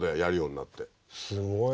すごい。